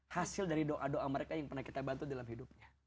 hasil dari doa doa mereka yang pernah kita bantu dalam hidupnya